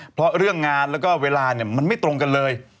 เพราะเรื่องงานแล้วก็เวลามันไม่ตรงกันเลย